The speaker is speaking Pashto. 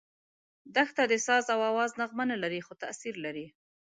دښته د ساز او آواز نغمه نه لري، خو تاثیر لري.